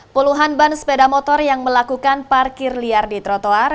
puluhan ban sepeda motor yang melakukan parkir liar di trotoar